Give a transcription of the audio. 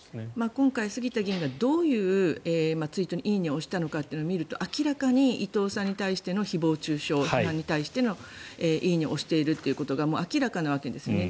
今回、杉田議員がどういうツイートに「いいね」を押したのかというのを見ると明らかに伊藤さんに対しての誹謗・中傷批判に対しての「いいね」を押していることが明らかなわけですね。